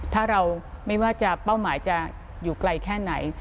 ถ้าเราไม่ว่าจะเป้าหมายจะอยู่ไกลแค่ไหน